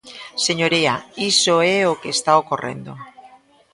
Señoría, iso é o que está ocorrendo.